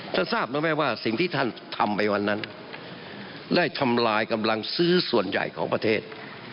ทราบรู้ไหมว่าสิ่งที่ท่านทำไปวันนั้นได้ทำลายกำลังซื้อส่วนใหญ่ของประเทศ